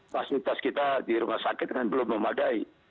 fasilitas kita di rumah sakit kan belum memadai